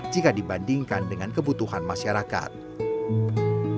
jika dibandingkan dengan kata kata yang terkenal di rsud cilengsi